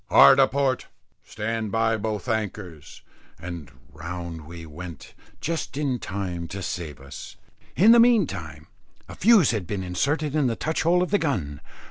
"Hard a port, stand by both anchors," and round we went just in time to save us. In the meantime a fuse had been inserted in the touch hole of the gun.